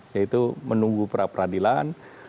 yaitu menunggu peradilan